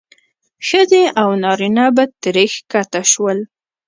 ښځې او نارینه به ترې ښکته شول.